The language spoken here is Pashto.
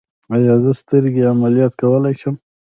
ایا زه سترګې عملیات کولی شم؟